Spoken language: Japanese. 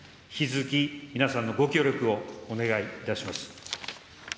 引き続き、皆さんのご協力をお願いいたします。